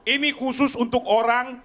ini khusus untuk orang